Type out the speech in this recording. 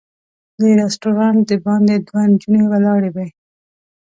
د رسټورانټ د باندې دوه نجونې ولاړې وې.